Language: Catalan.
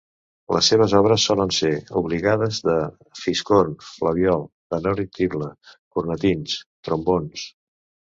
Les seves obres solen ser obligades de fiscorn, flabiol, tenora i tible, cornetins, trombons.